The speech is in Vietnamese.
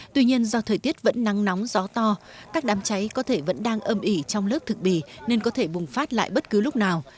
tuy nhiên do thời tiết vẫn nắng nóng gió to các đám cháy có thể vẫn đang âm ỉ trong lớp thực bì nên có thể bùng phát lại bất cứ lúc nào